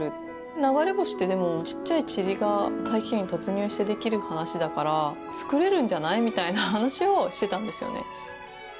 流れ星ってでも小っちゃいちりが大気圏に突入して出来る話だから作れるんじゃない？みたいな話をしてたんですよね。